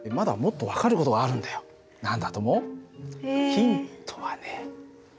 ヒントはね